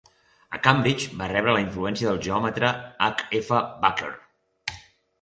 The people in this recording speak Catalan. A Cambridge, va rebre la influència del geòmetra H. F. Baker.